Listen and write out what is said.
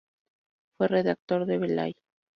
Fue redactor de "¡Velay!